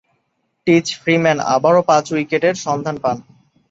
Teach Freeman আবারও পাঁচ উইকেটের সন্ধান পান।